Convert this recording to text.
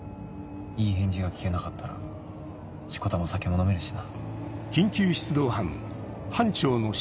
いい返事が聞けなかったらしこたま酒も飲めるしな。